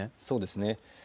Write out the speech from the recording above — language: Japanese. そうですね。